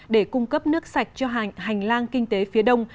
để cung cấp nước sạch cho hành lang kinh tế phía đông